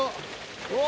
うわ！